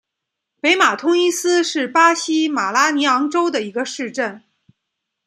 北马通伊斯是巴西马拉尼昂州的一个市镇。